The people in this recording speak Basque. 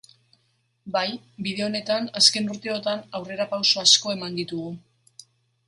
Bai, bide honetan azken urteotan aurrerapauso asko eman ditugu.